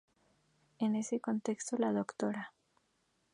En este contexto, la Dra.